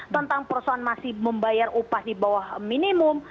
tentang perusahaan masih membayar upah di bawah minimum